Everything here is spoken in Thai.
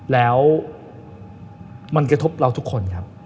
แล้วมันกระทบเราทุกคนครับ